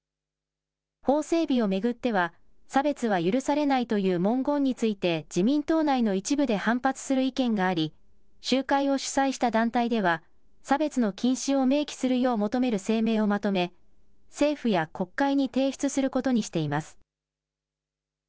法整備を巡っては、差別は許されないという文言について自民党内の一部で反発する意見があり、集会を主催した団体では、差別の禁止を明記するよう求める声明をまとめ、政府や国会に提出することにしています。